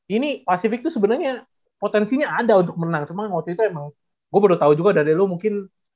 ini pacific tuh sebenernya potensinya ada untuk menang cuman waktu itu emang gue baru tau juga dari lo mungkin